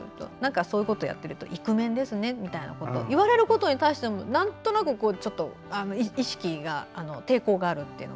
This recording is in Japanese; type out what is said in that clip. そういうことをやっているとイクメンですねみたいなことを言われることに対してもなんとなく意識が抵抗があるという。